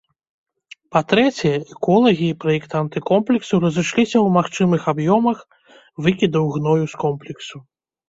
Па-трэцяе, эколагі і праектанты комплексу разышліся ў магчымых аб'ёмах выкідаў гною з комплексу.